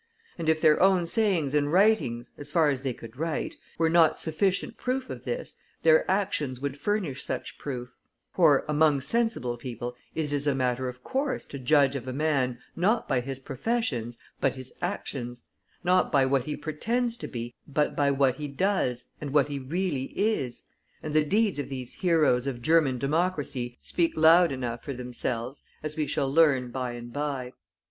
And if their own sayings and writings as far as they could write were not sufficient proof of this, their actions would furnish such proof; for among sensible people it is a matter of course to judge of a man, not by his professions, but his actions; not by what he pretends to be, but by what he does, and what he really is; and the deeds of these heroes of German Democracy speak loud enough for themselves, as we shall learn by and by.